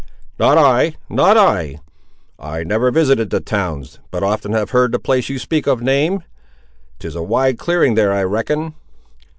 "Not I—not I; I never visited the towns; but often have heard the place you speak of named. 'Tis a wide clearing there, I reckon."